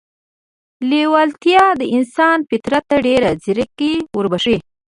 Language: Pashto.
لېوالتیا د انسان فطرت ته ډېره ځیرکي وربښي